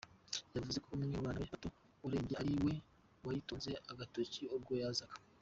Yavuze ko umwe mu bana be bato urembye ariwe wayitunze agatoki ubwo yazaga.